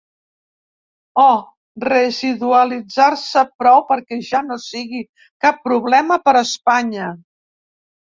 O residualitzar-se prou perquè ja no sigui cap problema per Espanya.